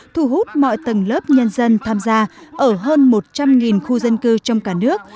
thu hút mọi tầng lớp nhân dân tham gia ở hơn một trăm linh khu dân cư trong cả nước